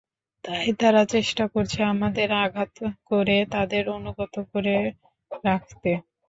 তাই তারা চেষ্টা করছে আমাদের আঘাত করে তাদের অনুগত করে রাখতে।